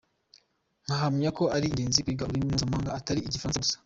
Nkahamya ko ari ingenzi kwiga ururimi mpuzamahanga, atari n’Igifaransa gusa.